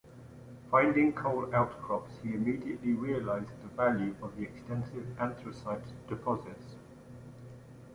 Finding coal outcrops, he immediately realized the value of the extensive anthracite deposits.